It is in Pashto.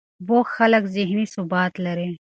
بوخت خلک ذهني ثبات لري.